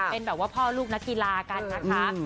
เป็นแบบว่าพ่อลูกนักกีฬากันนะคะ